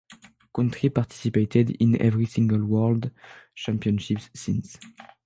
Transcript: Country participated in every single world championships since.